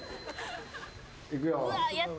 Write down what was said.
いくよ。